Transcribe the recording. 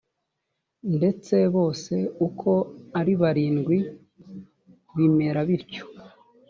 ndetse bose uko ari barindwi bimera bityo